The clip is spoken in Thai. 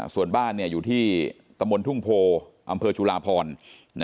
ส่วนบ้านอยู่ที่ตมุอำเภอจุฬาภรณ์